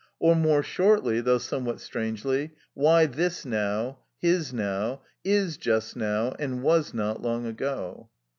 or more shortly, though somewhat strangely: Why this now, his now, is just now and was not long ago?